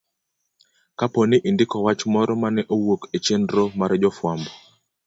Kapo ni indiko wach moro mane owuok e chenro mar jofwambo,